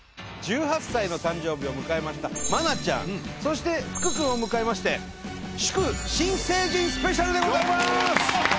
１８歳の誕生日を迎えました愛菜ちゃんそして福君を迎えまして祝新成人スペシャルでございます！